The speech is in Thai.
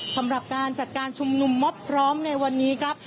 สำหรับการจัดการชุมนุมมอบพร้อมในวันนี้ครับ